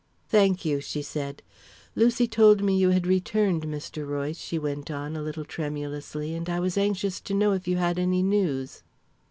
"Thank you," she said. "Lucy told me you had returned, Mr. Royce," she went on, a little tremulously, "and I was anxious to know if you had any news."